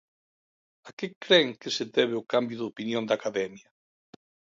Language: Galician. A que cren que se debe o cambio de opinión da Academia?